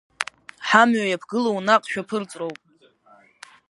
Ҳамҩа иаԥгылоу наҟ шәаԥырҵроуп…